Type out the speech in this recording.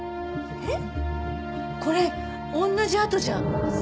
えっ。